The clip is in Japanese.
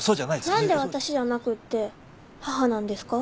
何で私じゃなくって母なんですか？